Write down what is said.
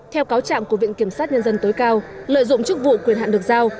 theo cáo trạng của viện kiểm sát nhân dân tối cao lợi dụng chức vụ quyền hạn được giao